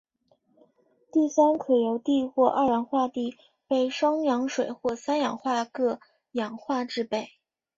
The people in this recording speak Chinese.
碲酸可由碲或二氧化碲被双氧水或三氧化铬氧化制备。